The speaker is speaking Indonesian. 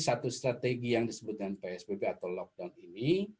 satu strategi yang disebutkan psbb atau lockdown ini